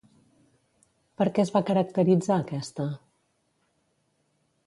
Per què es va caracteritzar aquesta?